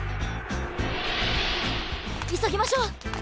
いそぎましょう！